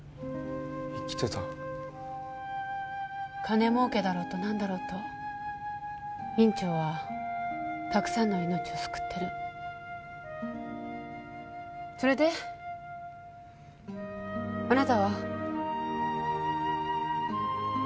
生きてた金もうけだろうと何だろうと院長はたくさんの命を救ってるそれであなたは？